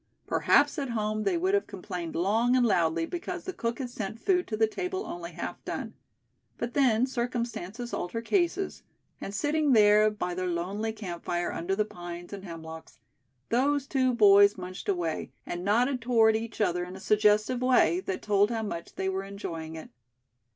Perhaps at home they would have complained long and loudly because the cook had sent food to the table only half done; but then circumstances alter cases; and sitting there by their lonely camp fire under the pines and hemlocks, those two boys munched away, and nodded toward each other in a suggestive way, that told how much they were enjoying it.